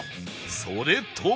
それとも